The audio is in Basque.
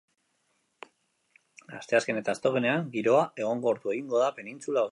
Asteazken eta ostegunean, giroa egonkortu egingo da penintsula osoan.